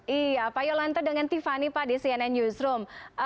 iya pak yolanta dengan tiffany pak di cnn newsroom